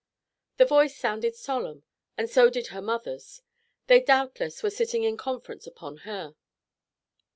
The voice sounded solemn, and so did her mother's; they doubtless were sitting in conference upon her.